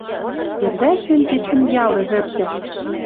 Йӹрвӓшем кечӹн ял ӹвӹртӓ.